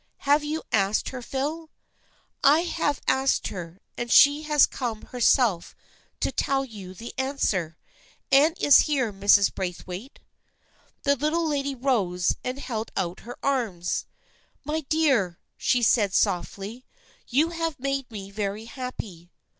" Have you asked her, Phil ?"" I have asked her, and she has come herself to tell you her answer. Anne is here, Mrs. Braith waite." The Little Lady rose and held out her arms. " My dear," she said softly, " you have made me very happy."